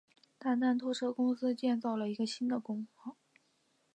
大丹拖车公司建造了一个新的厂房。